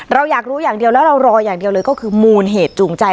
เราอยากรู้อย่างเดียวแล้วเรารออย่างเดียวเลยก็คือมูลเหตุจูงใจ